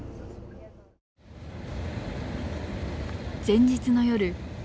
前日の夜。